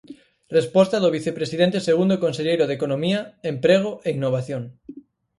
Resposta do vicepresidente segundo e conselleiro de Economía, Emprego e Innovación.